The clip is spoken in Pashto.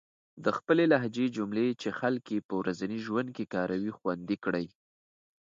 د خپلې لهجې جملې چې خلک يې په ورځني ژوند کې کاروي، خوندي کړئ.